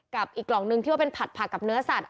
อีกกล่องนึงที่ว่าเป็นผัดผักกับเนื้อสัตว